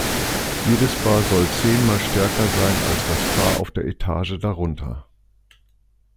Jedes Paar soll zehnmal stärker sein als das Paar auf der Etage darunter.